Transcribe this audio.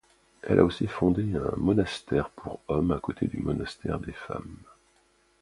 Elle a aussi fondé un monasrère pour hommes à côté du monastère des femmes.